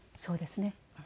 そうですね。